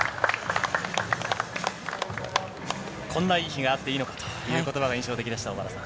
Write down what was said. こんないい日があっていいのかということばが印象的でした、小原さん。